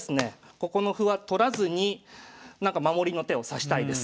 ここの歩は取らずになんか守りの手を指したいです。